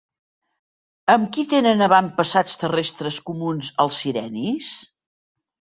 Amb qui tenen avantpassats terrestres comuns els sirenis?